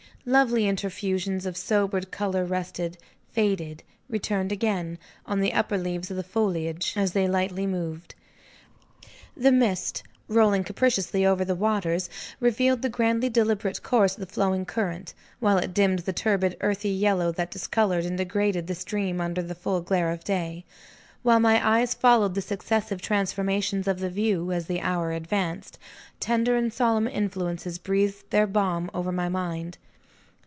Lovely interfusions of sobered color rested, faded, returned again, on the upper leaves of the foliage as they lightly moved. The mist, rolling capriciously over the waters, revealed the grandly deliberate course of the flowing current, while it dimmed the turbid earthy yellow that discolored and degraded the stream under the full glare of day. While my eyes followed the successive transformations of the view, as the hour advanced, tender and solemn influences breathed their balm over my mind.